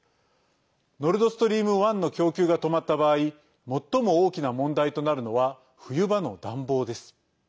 ノルドストリーム１の供給が止まった場合最も大きな問題となるのは冬場の暖房です。